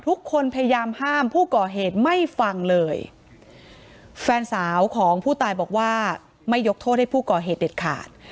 พยายามห้ามผู้ก่อเหตุไม่ฟังเลยแฟนสาวของผู้ตายบอกว่าไม่ยกโทษให้ผู้ก่อเหตุเด็ดขาด